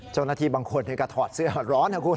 เจ้าหน้าที่บางคนก็ถอดเสื้อร้อนนะคุณ